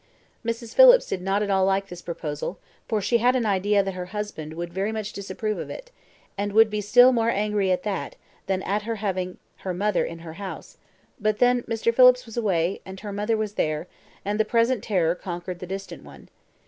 Mrs. Phillips did not at all like this proposal, for she had an idea that her husband would very much disapprove of it, and would be still more angry at that than at her having her mother in her house; but then Mr. Phillips was away, and her mother was there, and the present terror conquered the distant one.